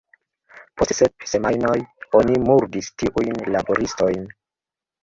Post sep semajnoj oni murdis tiujn laboristojn.